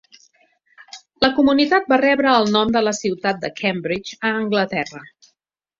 La comunitat va rebre el nom de la ciutat de Cambridge, a Anglaterra.